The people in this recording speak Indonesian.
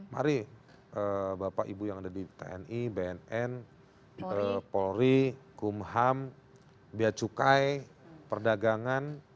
mari bapak ibu yang ada di tni bnn polri kumham bia cukai perdagangan